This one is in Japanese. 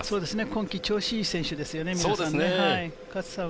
今季、調子いい選手ですね、皆さん。